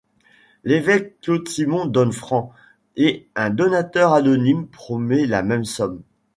L'évêque Claude Simon donne francs et un donateur anonyme promet la même somme.